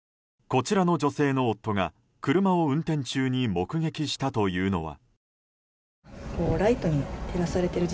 こちらの女性の夫が車を運転中に目撃したというのは。